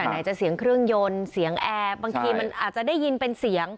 ไหนจะเสียงเครื่องยนต์เสียงแอร์บางทีมันอาจจะได้ยินเป็นเสียง